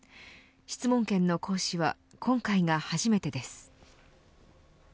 質問権の行使は今回が初めてです。